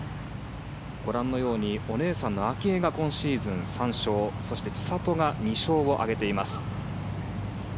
ご覧のようにお姉さんの明愛が今シーズン３勝そして、千怜が２勝を挙げています。